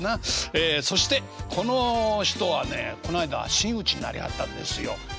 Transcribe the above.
ええそしてこの人はねこの間真打ちになりはったんですよ。